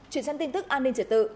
truyền sang tin tức an ninh trở tự